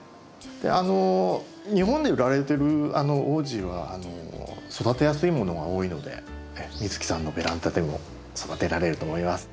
あの日本で売られてるオージーは育てやすいものが多いので美月さんのベランダでも育てられると思います。